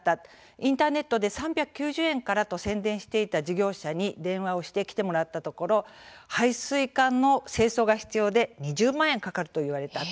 インターネットで３９０円からと宣伝していた事業者に連絡したところ配水管の清掃が必要で２０万円かかると言われた。